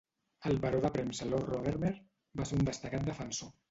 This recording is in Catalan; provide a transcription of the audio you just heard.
El baró de premsa Lord Rothermere va ser un destacat defensor.